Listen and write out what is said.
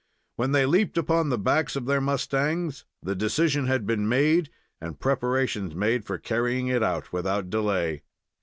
When they leaped upon the backs of their mustangs, the decision had been made, and preparations made for carrying it out without delay.